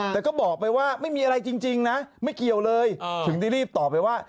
แต่ก็บอกไปว่าไม่มีอะไรจริงนะไม่เกี่ยวเลยถึงได้รีบตอบไปว่า